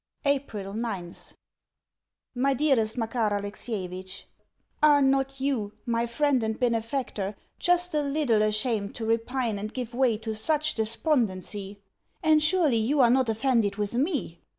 April 9th MY DEAREST MAKAR ALEXIEVITCH, Are not you, my friend and benefactor, just a little ashamed to repine and give way to such despondency? And surely you are not offended with me?